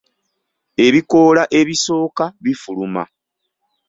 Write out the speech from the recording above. Ebikoola ebisooka bifuluma.